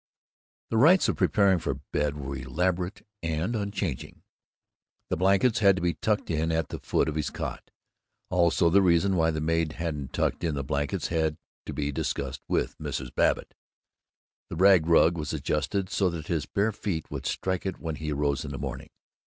The rites of preparing for bed were elaborate and unchanging. The blankets had to be tucked in at the foot of his cot. (Also, the reason why the maid hadn't tucked in the blankets had to be discussed with Mrs. Babbitt.) The rag rug was adjusted so that his bare feet would strike it when he arose in the morning.